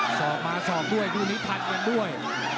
สอบมาสอบด้วยนี่พัดอย่างด้วย